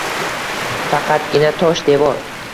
Faqatgina tosh devor.